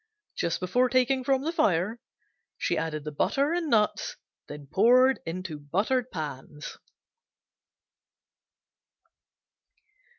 Just before taking from the fire she added the butter and nuts, then poured into buttered pans.